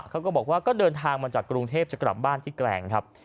เขาก็บอกว่าก็เดินทางมาจากกรุงเทพจะกลับบ้านที่แกลงครับ